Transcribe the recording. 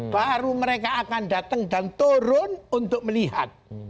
baru mereka akan datang dan turun untuk melihat